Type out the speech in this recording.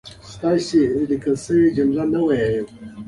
له همدې ځوابه یې مقابل کس د قضاوت لویه لړۍ په ذهن کې انځوروي.